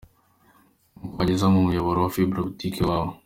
Uko wagezwaho umuyoboro wa ‘Fibre optique’ iwawe.